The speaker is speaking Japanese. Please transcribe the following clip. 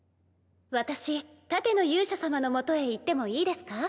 私盾の勇者様のもとへ行ってもいいですか？